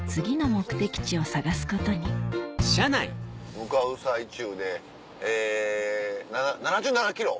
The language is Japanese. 向かう最中でえ７７７ｋｍ！